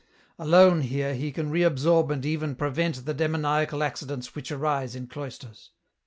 Alone, here, he can reabsorb and even prevent the demoniacal accidents which arise in cloisters.